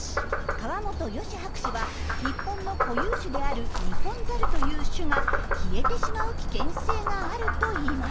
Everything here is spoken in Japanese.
川本芳博士は日本の固有種であるニホンザルという種が消えてしまう危険性があるといいます。